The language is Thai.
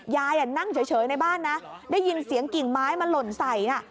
นั่งเฉยในบ้านนะได้ยินเสียงกิ่งไม้มาหล่นใส่น่ะ